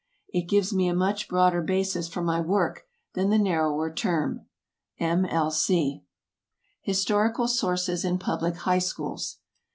It gives me a much broader basis for my work than the narrower term. M. L. C. HISTORICAL SOURCES IN PUBLIC HIGH SCHOOLS.